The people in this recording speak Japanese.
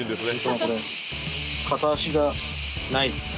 これ片足がないですね。